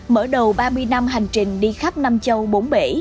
mở đầu ba mươi năm hành trình đi khắp nam châu bốn bể